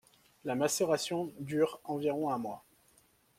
La macération dure environ un mois.